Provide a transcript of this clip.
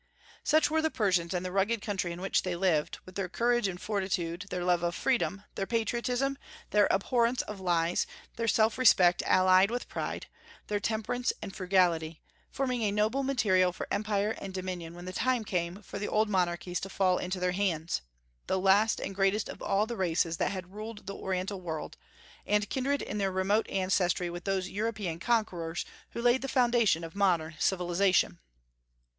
Such were the Persians and the rugged country in which they lived, with their courage and fortitude, their love of freedom, their patriotism, their abhorrence of lies, their self respect allied with pride, their temperance and frugality, forming a noble material for empire and dominion when the time came for the old monarchies to fall into their hands, the last and greatest of all the races that had ruled the Oriental world, and kindred in their remote ancestry with those European conquerors who laid the foundation of modern civilization.